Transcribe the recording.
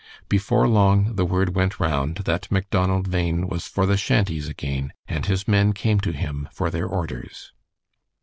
Before long the word went round that Macdonald Bhain was for the shanties again, and his men came to him for their orders.